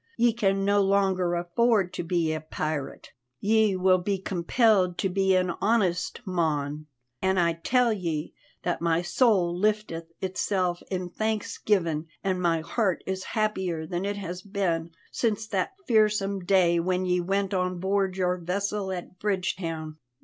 Ye can no longer afford to be a pirate; ye will be compelled to be an honest mon. An' I tell ye that my soul lifteth itsel' in thanksgivin' an' my heart is happier than it has been since that fearsome day when ye went on board your vessel at Bridgetown."